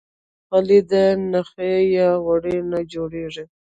خولۍ د نخي یا وړۍ نه جوړیږي.